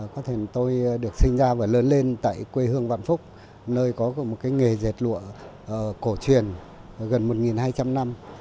có thể tôi được sinh ra và lớn lên tại quê hương vạn phúc nơi có một cái nghề dệt lụa cổ truyền gần một hai trăm linh năm